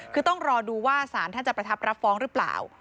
คือต้องรอดูว่าสารท่านจะประทับรับฟ้องหรือเปล่า